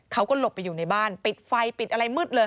เขาก็หลบไปอยู่ในบ้านปิดไฟปิดอะไรมืดเลย